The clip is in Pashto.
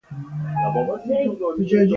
احمد راته وويل چې له خندا مې تشي خوږېږي.